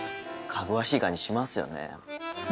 かぐわしい感じしますよね